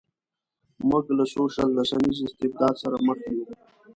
موږ له سوشل رسنیز استبداد سره مخ یو.